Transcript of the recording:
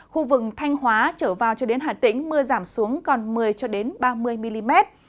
khu vực thanh hóa trở vào cho đến hà tĩnh mưa giảm xuống còn một mươi ba mươi mm